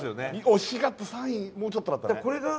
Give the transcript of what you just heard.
惜しかった３位もうちょっとだったねこれが？